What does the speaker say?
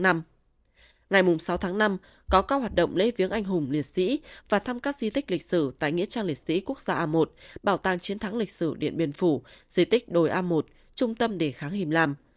ngày sáu tháng năm có các hoạt động lễ viếng anh hùng liệt sĩ và thăm các di tích lịch sử tại nghĩa trang liệt sĩ quốc gia a một bảo tàng chiến thắng lịch sử điện biên phủ di tích đồi a một trung tâm đề kháng him lam